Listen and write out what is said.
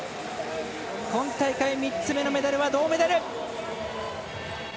今大会３つ目のメダルは銅メダル。